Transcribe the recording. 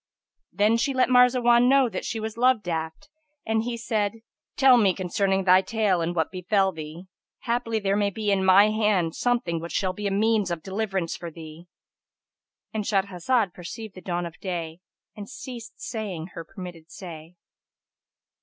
'" Then she let Marzawan know that she was love daft and he said "Tell me concerning thy tale and what befel thee: haply there may be in my hand something which shall be a means of deliverance for thee."—And Shahrazad perceived the dawn of da, and ceased saying her permitted say.